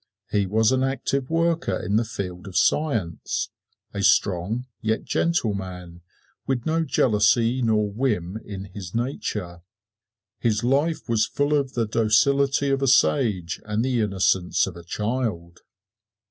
He was an active worker in the field of science a strong, yet gentle man, with no jealousy nor whim in his nature. "His life was full of the docility of a sage and the innocence of a child."